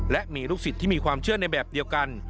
และมีลูกศิษย์ที่มีความเชื่อในแบบเดียวกัน